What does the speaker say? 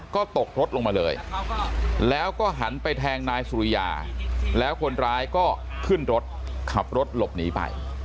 ก็ตกรถลงมาเลยแล้วก็หันไปแทงนายสุริยาแล้วคนร้ายก็ขึ้นรถขับรถหลบหนีไป